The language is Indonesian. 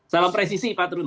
salam presisi pak truno